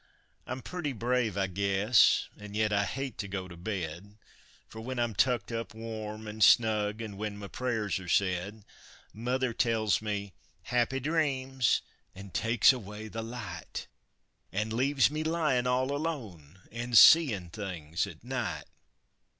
I'm pretty brave, I guess; an' yet I hate to go to bed, For, when I'm tucked up warm an' snug an' when my prayers are said, Mother tells me "Happy dreams!" and takes away the light, An' leaves me lying all alone an' seein' things at night!